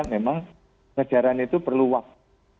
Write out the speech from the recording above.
memang pengejaran itu perlu waktu